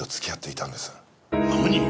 何！？